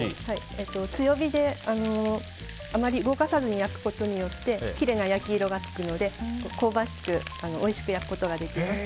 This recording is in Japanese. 強火で、あまり動かさずに焼くことによってきれいな焼き色がつくので香ばしくおいしく焼くことができます。